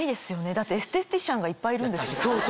だってエステティシャンがいっぱいいるんですよ。